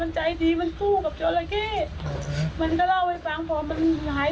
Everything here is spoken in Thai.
เพราะหนูจมน้ำพอจราเข้มันจะบิดเนี่ย